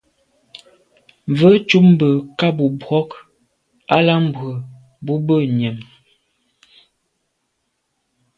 Mvə̌ cúp mbə̄ ká bù brók á lá mbrə̀ bú bə̂ nyə̀m.